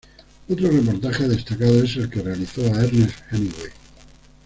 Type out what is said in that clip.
Otro reportaje destacado es el que realizó a Ernest Hemingway.